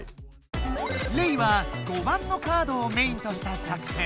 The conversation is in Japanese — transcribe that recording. レイは５番のカードをメインとした作戦。